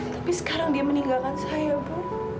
tapi sekarang dia meninggalkan saya bu